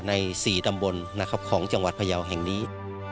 ใน๔ตำบลนะครับของจังหวัดพยาวแห่งนี้